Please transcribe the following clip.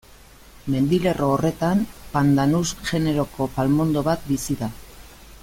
Mendilerro horretan, Pandanus generoko palmondo bat bizi da.